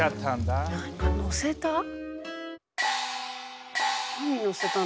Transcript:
何か乗せた？